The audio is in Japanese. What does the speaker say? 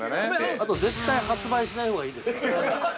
◆あと絶対発売しないほうがいいですよ。